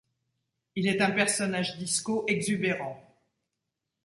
Il est un personnage disco exubérant.